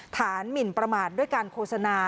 หมินประมาทด้วยการโฆษณา